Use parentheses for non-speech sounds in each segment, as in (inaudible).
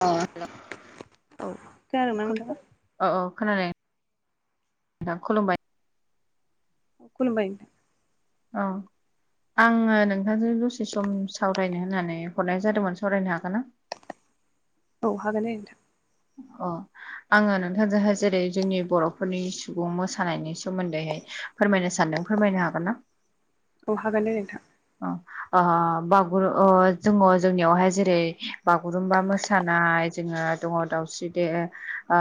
औ औ खोनादोंना नोंथाङा (unintelligible) औ औ खोनादों नोंथां खुलुमबाय। खुलुमबाय औ आङो नोंथांजों दसे सम सावरायनो होननानै हरनाय जादोंमोन सावरायनो हागोन ना? औ हागोन दे नोंथां। औ आङो नोंथांजोंहाय जेरै जोंनि बर'फोरनि सुबुं मोसानायनि सोमोन्दैहाय फोरमायनो सानदों फोरमायनो हागोन ना? अ हागोन दे नोंथां। अ बागुरु ओ जोङो जोंनियावहाय जेरै बागुरुम्बा मोसानाय जोङो दङ दाउस्रि दे ओ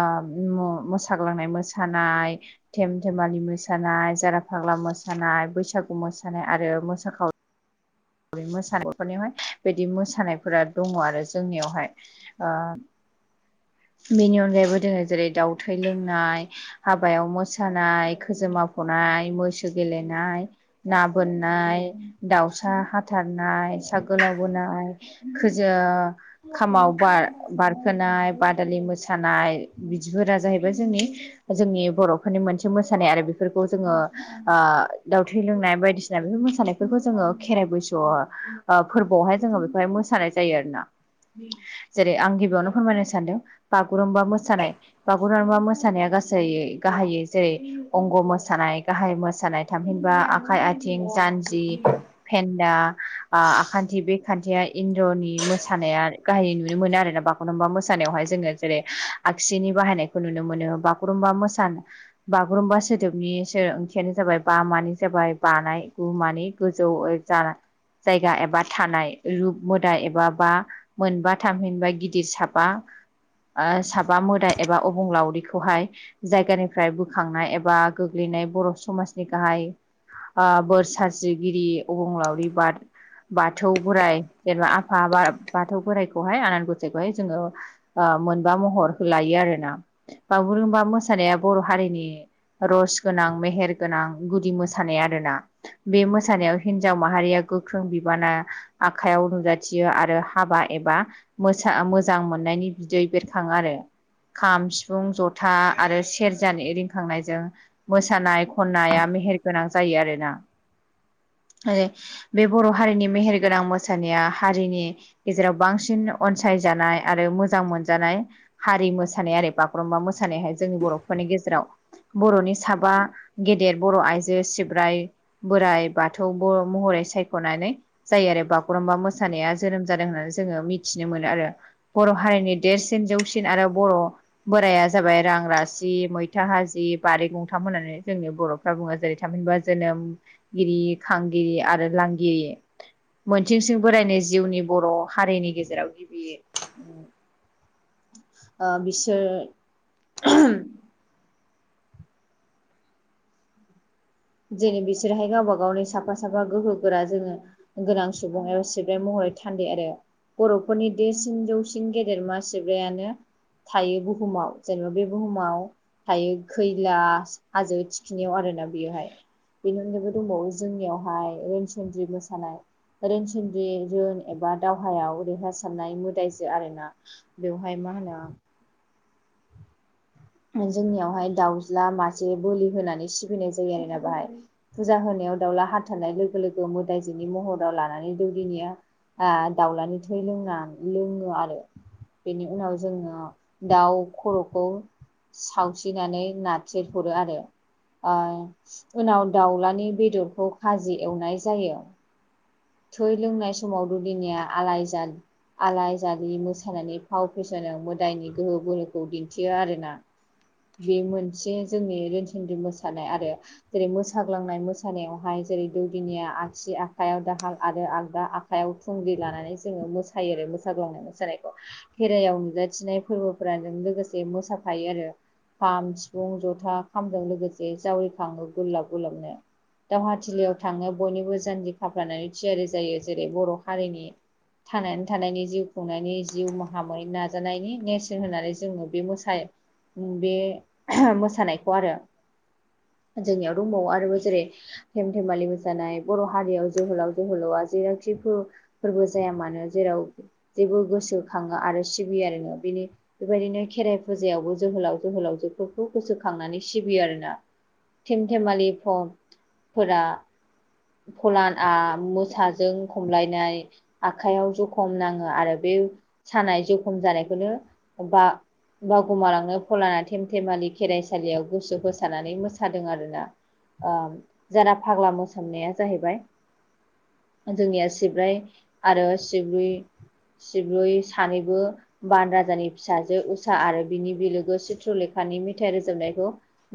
मो मोसाग्लांनाय मोसानाय धेम धेमालि मोसानाय जारा फाग्ला मोसानाय बैसागु मोसानाय आरो मोसा खाव बे मोसानायफोरनियावहाय बिदि मोसानायफोरा दङ आरो जोंनियावहाय। ओ बेनि अनगायैबो जोङो जेरै दाउ थै लोंनाय हाबायाव मोसानाय खोजोमा फनाय मैसो गेलेनाय ना बोननाय दाउ (unintelligible) हाथारनाय सा गोलाव बोनाय खोजों खामाव बार बारखोनाय बादालि मोसानाय बिदिफोरा जाहैबाय जोंनि जोंनि बर'फोरनि मोनसे मोसानाय आरो बेफोरखौ जोङो ओ दाउथै लोंनाय बायदिसिना बेफोर मोसानायफोरखौ जोङो खेराइ बैस'वा ओ फोरबोआवहाय जोङो बेखौहाय मोसानाय जायो आरोना। जेरै आं गिबियावनो फोरमायनो सानदों बागुरुम्बा मोसानाय बागुरुमबा मोसानाया गासैयै गाहायै जेरै अंग' मोसानाय गाहाय मोसानाय थामहिनबा आखाइ आथिं जान्जि फेन्दा ओ आखान्थि बे खान्थिया इन्द्र'नि मोसानाया गाहायै नुनो मोनो आरोना बा गुरुम्बा मोसानायावहाय जोङो जेरै आगसिनि बाहायनायखौ नुनो मोनो बागुरुमबा मोसा बागुरुम्बा सोदोबनि सो ओंथियानो जाबाय बा मानि जाबाय बानाय गु मानि गोजौवै जारा जायगा एबा थानाय रुप मोदाय एबा बा मोनबा थामहिनबा गिदिर साबा ओ साबा मोदाय एबा अबंलावरिखौहाय जायगानिफ्राय बोखांनाय एबा गोग्लैनाय बर' समाजनि गाहाय ओ बोर साबस्रिगिरि अबंलावरि बाद बाथौ बोराइ जेनबा आफा बाथौ बोराइखौहाय आनान गसाइखौहाय जोङो मोनबा महर लायो आरोना बागुरुमबा मोसानाया बर' हारिनि रस गोनां मेहेर गोनां गुदि मोसानाय आरोना बे मोसानायाव हिनजाव माहारिया गोख्रों बिबाना आखाइयाव नुजाथियो आरो हाबा एबा मोसा मोजां मोननायनि बिदै बेरखाङो आरो खाम सिफुं जथा आरो सेरजानि रिंखांनायजों मोसानाय खन्नाया मेहेर गोनां जायो आरोना आरो बे बर' हारिनि मेहेरगोनां मोसानाया हारिनि गेजेराव बांसिन अनसायजानाय आरो मोजां मोनजानाय हारि मोसानाय आरो बागुरुम्बा मोसानायहाय जोंनि बर'फोरनि गेजेराव बर'नि साबा गेदेर बर' आइजो सिब्राय बोराइ बा थौ महरै सायख'नानै जायो आरो बागुरुम्बा मोसानाया जोनोम जादों होननानै जोङो मिथिनो मोनो आरो बर' हारिनि देरसिन जौसिन आरो बर' बोराया जाबाय रां रासि मैथा हाजि बारि गंथाम होननानै जोंनि बर' बुङो जेरै थामहिनबा जोनोमगिरि खांगिरि आरो लांगिरि मोनसिंसिं बोरायनि जिउनि बर' हारिनि गेजेराव गिबि ओ बिसोर जेनै बिसोरहाय गावबा गावनि साफा साफा गोहो गोरा जोङो गोनां सुबुं एबा सिबनाय महरै थान्दै आरो बर'फोरनि देरसिन जौसिन गेदेरमा सिब्रायानो थायो बुहुमाव जेनेबा बे बुहुमाव थायो खैला हाजो थिखिनियाव आरोना बेयावहाय बेनि अनगायबो दंबावो जोंनियावहाय रोनसोनद्रि मोसानाय रोनसोनद्रि रोन एबा दावहायाव देरहासारनाय मोदायजो आरोना बेवहाय मा होनो जोंनियावहाय दाउज्ला मासे बोलि होनानै सिबिनाय जायो आरोना बाहाय फुजा होनायाव दाउला हाथारनाय लोगो लोगो मोदायजोनि महराव लानानै दौदिनिया आ दावलानि थै लोंना लोङो आरो बेनि उनाव जोङो दाउ खर'खौ सावसिनानै नाथिर हरो आरो ओ उनाव दाउलानि बेदरखौ खाजि एवनाय जायो थै लोंनाय समाव दुदिनिया आलायजाद आलायजालि मोसानायानानै फाव फेसनजों मोदायनि गोहो गोहोखौ दिन्थियो आरोना बे मोनसे जोंनि रोनसोनद्रि मोसानाय आरो जेरै मोसाग्लांनाय मोसानायावहाय जेरै दौदिनिया आसि आखायाव दाहाल आरो आगदा आखाइायाव थुंग्रि लानानै जोङो मोसायो आरो मोसाग्लांनाय मोसानायखौ खेरायाव नुजाथिनाय फोरबोफोरा जों लोगोसे मोसाफायो आरो खाम, सिफुं, जथा, खामजों लोगोसे जावरिखाङो गुरलाब गुरलाबनो दावहाथिलियाव थांनो बयनिबो जानजि खाफ्रानानै थियारि जायो जेरै बर' हारिनि थांनानै थानायनि जिउ खुंनायनि जिउ माहामै नाजानायनि नेरसोन होननानै जोङो बे मोसा बे मोसानायखौ आरो जोंनियाव दंबावो आरो जेरै धेम धेमालि मोसानाय बर' हारियाव जोहोलाव जोहोलावआ जेरावखि फो फोरबो जाया मानो जेराव जेबो गोसोखाङो आरो सिबियारिनो बिनि बेबायदिनो खेराइ फुजायावबो जोहोलाव जोहोलावजोफोरखौ गोसोखांनानै सिबियो आरोना थेम थेमालि फ फोरा फलान आ मोसाजों खमलायनाय आखाइयाव जखम नाङो आरो बे सानाय जखम जानायखौनो बा बावगुमालांनो फलाना थेमथेमालि खेराइसालियाव गोसो होसारनानै मोसादों आरोना ओम जारा फाग्ला मोसानाया जाहैबाय जोंनिया सिब्राय आरो सिब्रुइ सिब्रुइ सानैबो बान राजानि फिसाजो उसा आरो बिनि बिलोगो चित्र लेखानि मेथाइ रोजाबनायखौ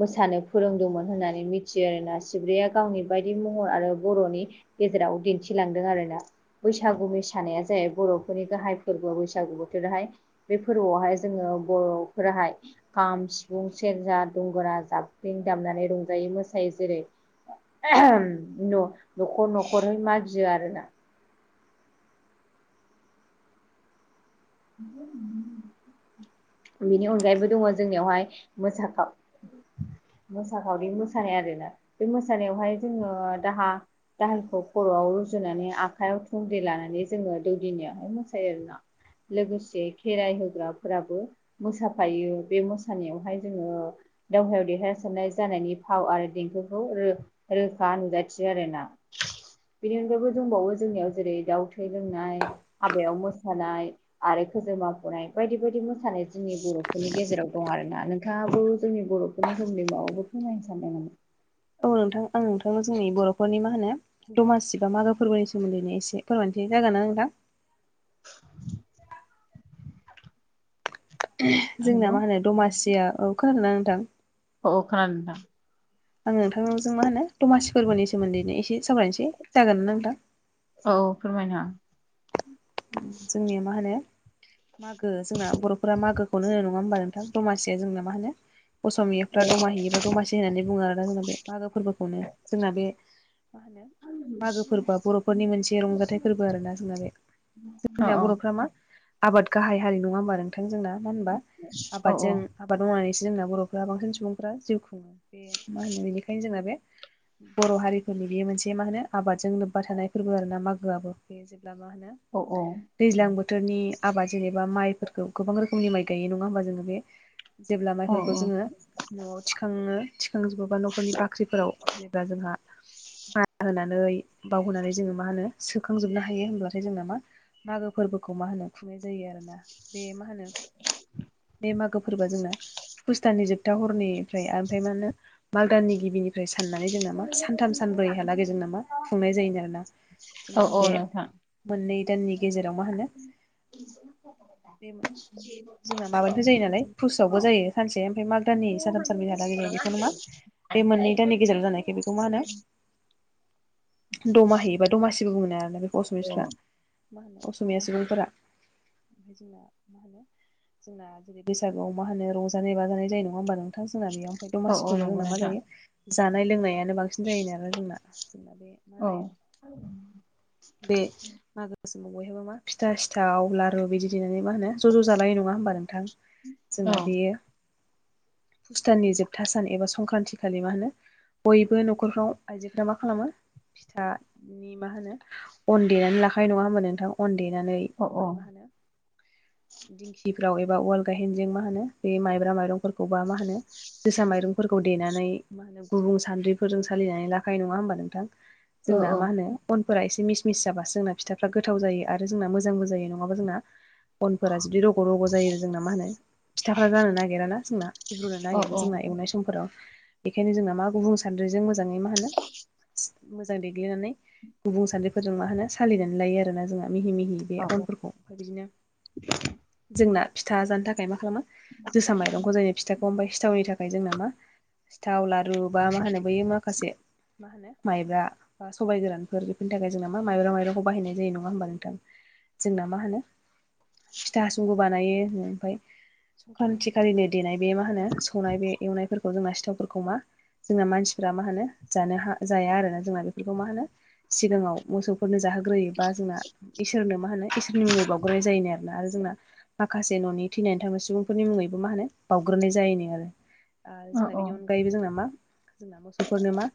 मोसानो फोरोंदोंमोन होननानै मिथियो आरोना सिब्रैया गावनि बायदि महर आरो बर'नि गेजेराव दिन्थिलांदों आरोना बैसागु मोसानाया जाय बर'फोरनि गाहाय फोरबो बैसागु बोथोराहाय बे फोरबोआवहाय जोङो बर'फोराहाय खाम, सिफुं, सेरजा, दंगरा, जाबख्रिं दामनानै रंजायो मोसायो जेरै न' न'खर न'खर मागियो आरोना (unintelligible) बिनि अनगायैबो दङ जोंनियावहाय मोसाखाव मोसाखावरि मोसानाय आरोना बे मोसानायावहाय जोङो दाहा दाहालखौ खर'आव रुजुनानै आखाइायाव थुंग्रि लानानै जोङो दौदिनियाहाय मोसायो आरोना लोगोसे खेराइ होग्राफोराबो मोसाफायो बे मोसानायावहाय जोङो दावहायाव देरहासारनाय जानायनि फाव आरो देंखोखौ रो रोखा नुजाथियो आरोना बिनि अनगायैबो दंबावो जोंनियाव जेरै दाउ थै लोंनाय, हाबायाव मोसानाय आरो खैजेमाफनाय बायदि बायदि मोसानाय जोंनि बर'फोरनि गेजेराव दं आरोना नोंथाङाबो जोंनि बर' फोरनि सोमोन्दै माबाफोर फोरमायनो सानदों नामा? औ नोंथां आं नोंथांनो जोंनि बर'फोरनि मा होनो दमासि बा मागो फोरबोनि सोमोन्दैनो एसे फोरमायनिसै जागोनना नोंथां? जोंना मा हेल' होनो दमासिया औ खोनादोंना नोंथां औ औ खोनादों नोंथां आं नोंथांजों मा होनो दमासि फोरबोनि सोमोन्दैनो एसे सावरायनोसै जागोनना नोंथां औ फोरमायना जोंनिया मा होनो मागो जोंना बर'फोरा मागोखौनो होनो नङा होमबा नोंथां दमासिया जोंना मा होनो असमियाफ्रा दमाहिबो दमासि होननानै बुङो आरो जोंना बे मागो फोरबोखौनो जोंना बे मा होनो मागो फोरबोआ बर'फोरनि मोनसे रंजाथाइ फोरबो आरोना जोंना बे जोंनिया हागोन। बर'फोरा मा आबाद गाहाय हारि नङा होमबा नोंथां जोंना मा होनबा औ आबादजों औ आबाद मावनानैसो जोंना बर'फ्रा बांसिन सुबुंफ्रा जिउ खुङो बे मा होनो बेनिखायनो जोंना बे बर' हारिफोरनि बेयो मोनसे मा होनो आबादजों लोब्बा थानाय फोरबो आरोना मागोआबो बे जेब्ला मा होनो औ औ दैज्लां बोथोरनि आबाद जेनेबा माइफोरखौ गोबां रोखोमनि माइ गायो नङा होमबा जोङो बे जेब्ला औ माइफोरखौ जोङो न'आव थिखाङो थिखांजोबो बा न'खरनि बाख्रिफोराव जेनेबा जोंहा होनानै बाव होनानै जोङो मा होनो सोखांजोबनो हायो होनब्लाथाय जोंना मा मागो फोरबोखौ मा होनो खुंनाय जायो आरोना बे मा होनो बे मागो फोरबोआ जोंना फुस दाननि जोबथा हरनिफ्राय ओमफ्राय मा होनो माग दाननि गिबिनि ओमफ्राय साननानै जोंना मा सानथाम सानब्रैहालागै जोंनामा खुंनाय जायो आरोना औ जोंना औ बे नोंथां मोननै दाननि गेजेराव मा होनो बे जोंना माबानिफ्राय जायो नालाय औ फुसआवबो जायो सानसे ओमफ्राय माग दाननि साथाम सानब्रैहालागै जायो बेखौनो मा बे मोननै दाननि गेजेराव जानायखाय बेखौ मा होनो (inaudible) दमाहिबा बा दमासिबो बुङोना बेखौ असमियाफ्रा मा होनो असमिया सुबुंफोरा जोंना मा होनो जोंना जेरै बैसागुआव मा होनो रंजानाय बाजानाय जायो नङा होमबा नों नोंथां जोंना बेयाव ओमफ्राय औ औ दमासिफोरखौ नंगौ जोंना मा नोंथां जायो जानाय लोंनायानो बांसिन जायो आरो जोंना जेनबा बे मा औ जायो बे मागो समाव बयहाबो मा फिथा सिथाव लारु बिदि देनानै मा होनो ज' ज' जालायनाय नङा होमबा नोंथां? औ जोंना बेयो फुस दाननि जोबथा सान एबा संक्रान्ति खालि मा होनो बयबो न'खरफ्राव आइजोफ्रा मा खालामो फिथानि मा होनो अन देनानै लाखायो नङा होमबा नोंथां अन देनानै औ ओमफ्राय मा होनो (inaudible) दिंखिफ्राव एबा उवाल गायहेनजों मा होनो बे माइब्रा माइरंफोरखौबा मा होनो जोसा माइरंफोरखौ देनानै मा होनो गुबुं सान्द्रिफोरजों सालिनानै लाखायो नङा होमबा नोंथां? जोंना औ मा होनो अनफोरा एसे मिस मिस जाबासो जोंना फिथाफ्रा गोथाव जायो आरो जोंना मोजांबो जायो नङाबा जोंना अनफोरा जुदि रग' रग' जायो जोंना मा होनो फिथाफोरा जानो नागिरा ना जोंना गिब्रुनो औ नागिरो औ जोंना एवनाय समफोराव बेखायनो जोंना मा गुबुन सान्द्रिजों मोजाङै मा होनो मोजां देग्लिनानै गुबुं सान्द्रिफोरजों मा होनो सालिनानै लायो आरोना जोंहा मिहि मिहि बे अ अनफोरखौ ओमफ्राय बिदिनो जोंना फिथा जानो थाखाय मा खालामो जोसा माइरंखौ जायनि फिथा ओमफ्राय सिथावनि थाखाय जोंना मा सिथाव लारु बा मा होनो बैयो मा होनो माखासे मा होनो माइब्रा बा सबाय गोरानफोर बेफोरनि थाखाय जोंना मा माइब्रा माइरं खौ बाहायनाय जायो नङा होमबा नोंथां जोंना मा होनो फिथा हासुंखो बानायो ओमफ्राय संक्रान्तिखालिनो देनाय बे मा होनो सौनाय बे एवनायफोरखौ जोंना सिथावफोरखौ मा जोंना मानसिफ्रा मा होनो जानो हा जाया आरोना जोंना बेफोरखौ मा होनो सिगाङाव मोसौफोरनो जाहो ग्रोयोबा जोंना इसोरनो मा होनो इसोरनि मुङै बाव ग्राय जायोनो आरोना आरो जोंना माखासे न'नि थैनानै थांनाय सुबुंफोरनि मुङैबो मा होनो बावग्रोनाय जायोनो आरो। आरो अ जोंना बिनि अनगायैबो जोंना मा जोंना मोसौफोरनो मा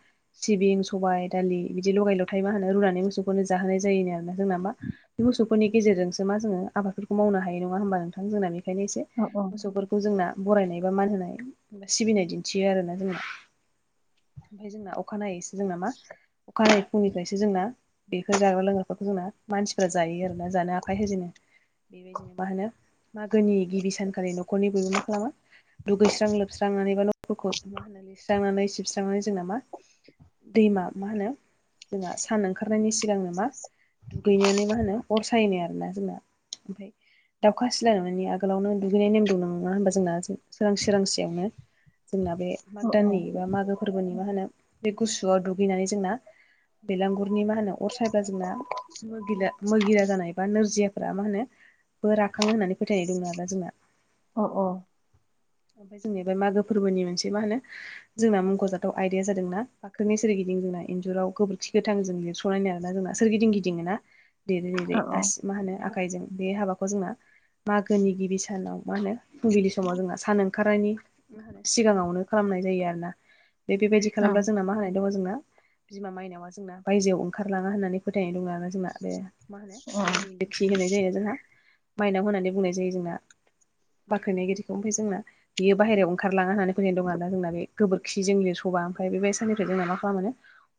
सिबिं सबाय दालि बिदि लगाय ल'थखय मा होनो रुनानै मोसौफोरनो जाहोनाय जायोनो आरोना जोंना मा बे मोसौफोरनि गेजेरजोंसो मा जोङो आबादफोरखौ मावनो हायो नङा होमबा नोंथां जोंना बेखायनो एसे अ मोसौफोर खौ जोंना बरायनाय बा मान होनाय बा सिबिनाय दिन्थियो आरोना जोंङो ओमफ्राय जोंना अखाानायनायैसो जोंना मा अखाानायनायै फुंनिफ्रायसो जोंना बेफोर जाग्रा लोंग्राफोरखौ जोंना मानसिफ्रा जायो आरोना जानो आखाइ होजेनो। बेबायदिनो मा होनो मागोनि गिबि सानखालि न'खरनि बयबो मा खालामो दुगैस्रां लोबस्रांनानै बा न'फोरखौ सिबस्रांनानै सिबस्रांनानै जोंना मा दैमा मा होनो जों सान ओंखार खानायनि सिगांनो मा दुगैनानै मा होनो अर सायोनो आरोना जोंना ओमफ्राय दावखा सिलायनानै आगोलावनो दुगैनाय नेम दं नङा होनोमबा जोंना सोरांसि सोरांसियावनो जोंना बे अ माग दाननि बा मागो फोरबोनि मा होनो बे गुसुआव दुगैनानै जोंना बे नि मा होनो अर सायबा जोंना मि मोगिरा जानाय बा नोरजियाफोरा मा होनो बो राखांयो होननानै फोथायनाय दं आरोना जोंना अ ओमफ्राय जोंनिया बे मागो फोरबोनि मोनसे मा होनो जोंना मुंख'जाथाव आयदाया जादों जोंना बाखोनि सोरगिदिं जोंना इन्जुराव गोबोरखि गोथां जों मानिनायानो आरोना जोंना सोरगिदिं गिदिङो ना देरै देरै अ आसि मा होनो आखाइजों बे हाबाखौ जोंना मागोनि गिबि सानाव मा होनो फुंबिलि समाव जोंहा सान ओंखारनायनि मा होनो सिगाङावनो खालामनाय जायो आरो ना। बेबायदि खालामब्ला जोंना मा होनानाय दङ जोंना बिमा माइनावा जोंना बायजोआव ओंखारलाङा होननानै फोथायनाय दङ आरो जोंना बे मा होनो माइनि खि होनाय जायोना जोंहा मायनाव होननानै बुंनाय जायो जोंना। बाख्रिनायगिरिखौ ओमफ्राय जोंना बियो बाहेरायाव ओंखारलाङा होननानै फैनाय दं आरो ना जोंना बे गोबोर खि जों लिरबा ओमफ्राय बेबायदि साननिफ्राय जोंना मा खालामो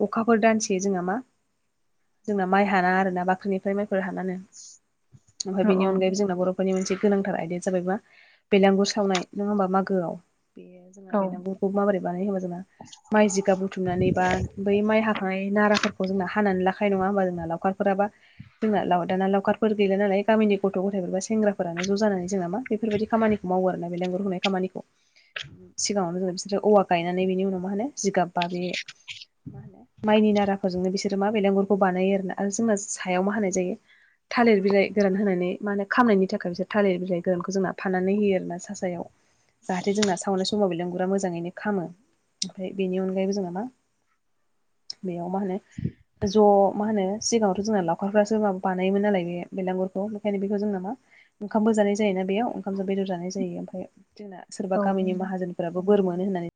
अखाफोर दानसि जोंना मा जोंना माइ हाना आरोना बाख्रिनिफ्राय माइफोर हानानानै ओमफाय बिनि अनगायैबो जोंना बर' बेफोरनि मोनसे गोनांथार आयदाया जाबायबा बेलगुर सावनाय नंङा होमबा मागोआव जोंना औ बेलांगुरखौ माबोरै बानाय होबा जोंना माइ जिखा बुथुमनानै बा बै माइ हाखानाय नाराफोरखौ जोंना हानानै लाखानाय नङा होमबा जोंना लावखारफोराबा जोंना दाना लावखारफोर गैला नालाय गामिनि गथ' गथथायफोर बा सेंग्राफोरानो ज' जानानै जोंना मा बेफोरबायदि खामानिखौ मावो आरो ना बेलागुर लुनाय खामानिखौ। सिगाङावनो बिसोरो औवा गायनानै बेनि उनाव मा होनो जिगाब बा बे मा होनो माइनि नाराफोरजोंनो बिसोरो मा बेलगुरखौ बानायो आरोना आरो जोंना सायाव मा होनानाय जायो। थालिर बिलाइ गोरान होनानै मा होनो खामनायनि थाखाय बिसोर थालिर बिलाइ गोरानखौ जोंना फाननानै होयो आरोना सा सायाव। जाहाथे जोंना सावनाय समाव बेलागुरा मोजांङैनो खामो ओमफ्राय बेनि अनगायैबो जोंना मा बेयाव मा होनो ज' मा होनो सिगांङावथ' जोंना लावखारफ्रासो माबा बानायोमोन नालाय बे बेलांगुरखौ बेंखायनो बेखौ जोंना मा ओंखाम बो जानाय जायोना बेयाव ओंखामजों बेदर जानाय जायो ओमफ्राय जोंना सोरबा औ गामिनि माहाजोनफोराबो बोर मोनो होननानै